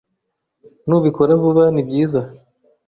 Nubikora vuba, nibyiza.